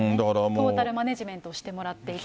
トータルマネージメントをしてもらっていたと。